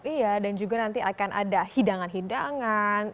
iya dan juga nanti akan ada hidangan hidangan